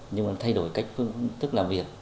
nhưng mà thay đổi cách phương tức làm việc